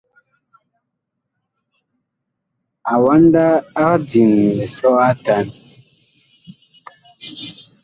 Awanda ag diŋ lisɔ atan.